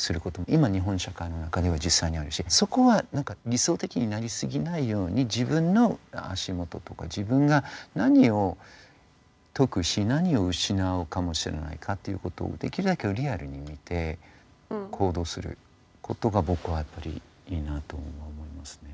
今日本社会の中では実際にあるしそこは何か理想的になり過ぎないように自分の足元とか自分が何を得し何を失うかもしれないかっていうことをできるだけリアルに見て行動することが僕はやっぱりいいなとは思いますね。